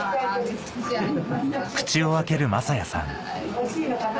おいしいのかな？